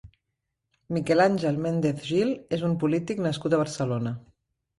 Miquel Àngel Méndez Gil és un polític nascut a Barcelona.